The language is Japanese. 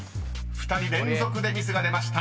［２人連続でミスが出ました。